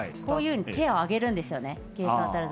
こういうふうに手を挙げるんですよね。